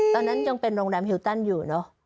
ตอนนั้นยังเป็นโรงแรมฮิวตันอยู่เนอะ